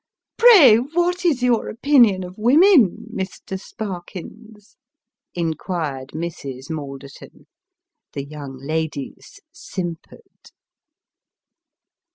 " Pray, what is your opinion of woman, Mr. Sparkins ?" inquired Mrs. Malderton. The young ladies simpered.